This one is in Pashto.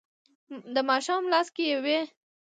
د ماښام لاس کې ډیوې